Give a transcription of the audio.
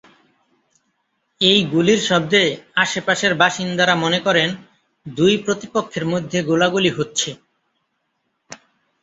এই গুলির শব্দে আশপাশের বাসিন্দারা মনে করেন দুই প্রতিপক্ষের মধ্যে গোলাগুলি হচ্ছে।